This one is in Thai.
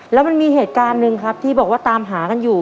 แล้วมันมีเหตุการณ์หนึ่งครับที่บอกว่าตามหากันอยู่